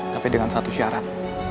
tapi dengan satu syarat